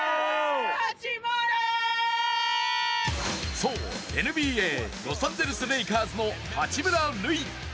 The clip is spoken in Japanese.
そう、ＮＢＡ、ロサンゼルス・レイカーズの八村塁。